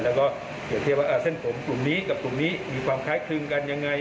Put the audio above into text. แล้วก็เกี่ยวข้อมูลว่าเส้นผมกับกลุ่มนี้มีความคล้ายคลึงกันอย่างไร